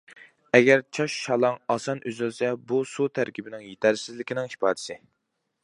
ئەگەر چاچ شالاڭ، ئاسان ئۈزۈلسە، بۇ سۇ تەركىبىنىڭ يېتەرسىزلىكىنىڭ ئىپادىسى.